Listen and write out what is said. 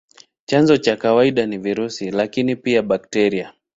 Chanzo cha kawaida ni virusi, lakini pia bakteria.